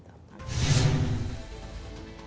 kalau pun ada yang minang pun